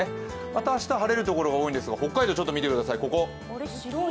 また明日晴れる所が多いんですが、北海道を見てください。